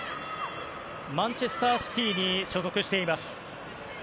マンチェスター・シティーに所属しています。